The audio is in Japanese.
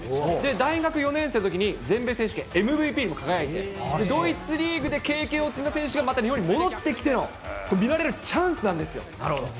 大学４年生のときに全米選手権、ＭＶＰにも輝いて、ドイツリーグで経験を積んだ選手が、また日本に戻ってきても見られるチャンスなんですよ。